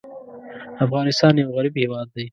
افغانستان یو غریب هېواد دی.